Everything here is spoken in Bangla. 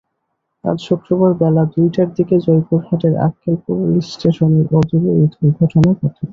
আজ শুক্রবার বেলা দুইটার দিকে জয়পুরহাটের আক্কেলপুর রেলস্টেশনের অদূরে এ দুর্ঘটনা ঘটে।